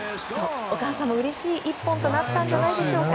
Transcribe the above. お母さんもうれしい１本となったのではないでしょうか。